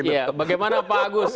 ya bagaimana pak agus